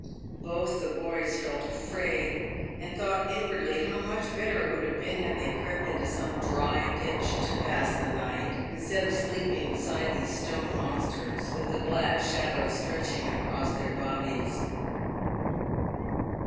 Both the boys felt afraid, and thought inwardly how much better it would have been had they crept into some dry ditch to pass the night, instead of sleeping beside these stone monsters, with the black shadows stretching across their bodies.